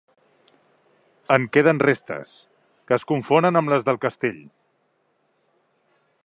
En queden restes, que es confonen amb les del castell.